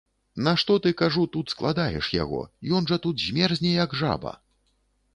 На што ты, кажу, тут складаеш яго, ён жа тут змерзне, як жаба.